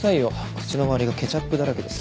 口の周りがケチャップだらけです。